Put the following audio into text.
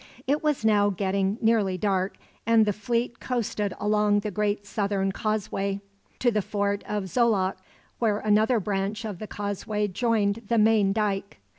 It was now getting nearly dark, and the fleet coasted along the great southern causeway to the fort of Xoloc, where another branch of the causeway joined the main dike.